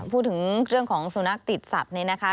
พูดถึงเรื่องของสุนัขติดสัตว์นี่นะคะ